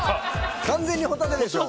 完全にホタテですね。